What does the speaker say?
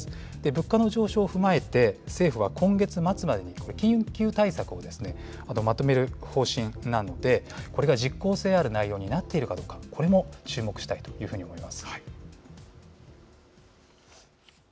物価の上昇を踏まえて、政府は今月末までに緊急対策をまとめる方針なんで、これが実効性ある内容になっているかどうか、これも注目したいというふうに思います。